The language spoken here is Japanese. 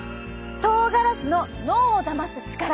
とうがらしの脳をだます力。